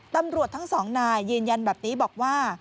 ตำรวจทั้งสองนายยืนยันแบบนี้บอกว่า